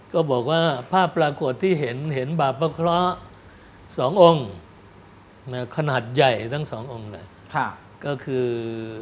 ก็บอกว่าภาพประกวดที่เห็นไว้คนแบบศ๔๐๑ขนาดใหญ่ของสององค์เลย